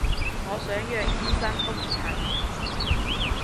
我想約醫生覆診